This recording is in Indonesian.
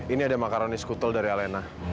ini ada makaroni skutel dari alena